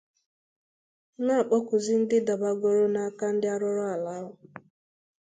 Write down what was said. na-akpọkuzị ndị dabàgoro n'aka ndị arụrụala ahụ